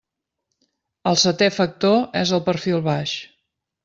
El seté factor és el perfil baix.